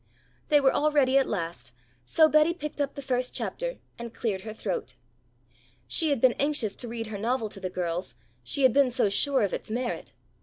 They were all ready at last, so Betty picked up the first chapter and cleared her throat. She had been anxious to read her novel to the girls, she had been so sure of its merit.